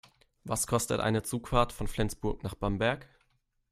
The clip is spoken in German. Was kostet eine Zugfahrt von Flensburg nach Bamberg?